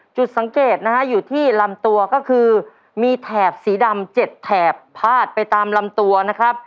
จุดสังเกตนะฮะอยู่ที่ลำตัวก็คือมีแถบสีดำ๗แถบพาดไปตามลำตัวนะครับ